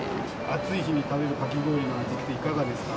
暑い日に食べるかき氷の味っていかがですか？